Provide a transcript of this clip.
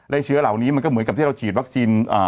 เชื้อเหล่านี้มันก็เหมือนกับที่เราฉีดวัคซีน